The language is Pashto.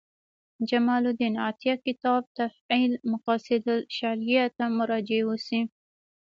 جمال الدین عطیه کتاب تفعیل مقاصد الشریعة ته مراجعه وشي.